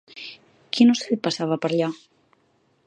Quin ocell passava per allà?